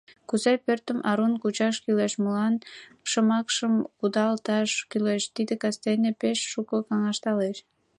Кузе пӧртым арун кучаш кӱлеш, молан шымакшым кудалташ кӱлеш — тиде кастене пеш шуко каҥашалтеш.